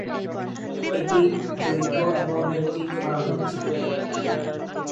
এটা দৈর্ঘ্য, এবং একটি খরা হয়েছে।